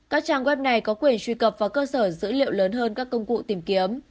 các trang web này có quyền truy cập vào cơ sở dữ liệu lớn hơn các công cụ tìm kiếm